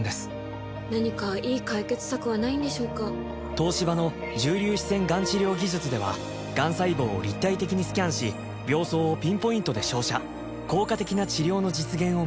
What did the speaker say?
東芝の重粒子線がん治療技術ではがん細胞を立体的にスキャンし病巣をピンポイントで照射効果的な治療の実現を目指します